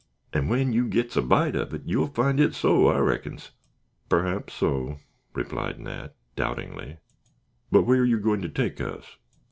"And when you gits a bite of it, you'll find it so, I reckons!" "Perhaps so," replied Nat, doubtingly; "but whar ar' you going to take us?"